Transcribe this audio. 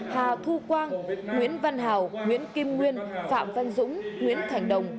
hà thu quang nguyễn văn hào nguyễn kim nguyên phạm văn dũng nguyễn thành đồng